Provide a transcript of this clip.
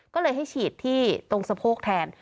ก็เลยให้ฉีดที่ตรงสะโพกแทน